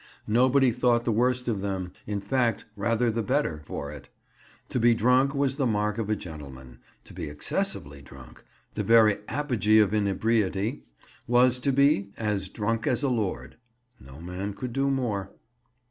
Nobody thought the worse of them—in fact, rather the better—for it. To be drunk was the mark of a gentleman; to be excessively drunk—the very apogee of inebriety—was to be "as drunk as a lord"; no man could do more.